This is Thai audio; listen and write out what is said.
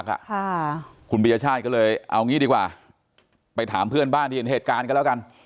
ค่ะคุณปียชาติก็เลยเอางี้ดีกว่าไปถามเพื่อนบ้านที่เห็นเหตุการณ์กันแล้วกัน